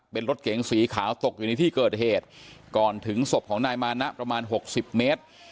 เป็นรถเก๋งสีขาวตกอยู่ในที่เกิดเหตุก่อนถึงศพของนายมานะประมาณหกสิบเมตร